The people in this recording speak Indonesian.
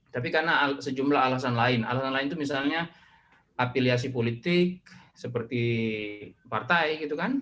tapi karena sejumlah alasan lain alasan lain itu misalnya afiliasi politik seperti partai gitu kan